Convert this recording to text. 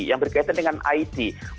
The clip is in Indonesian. yang berkaitan dengan it